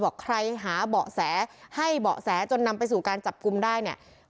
บอกใครหาเบาะแสให้เบาะแสจนนำไปสู่การจับกลุ่มได้เนี่ย